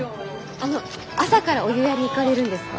あの朝からお湯屋に行かれるんですか？